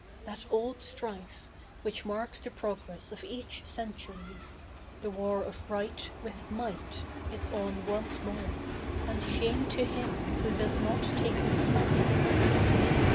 That old strife Which marks the progress of each century, The war of Right with Might, is on once more, And shame to him who does not take his stand.